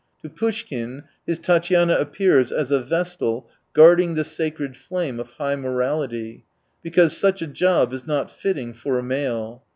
To Poushkin his Tatyana appears as a vestal guarding the sacred flame of high morality ^because such a job is not fitting for a male.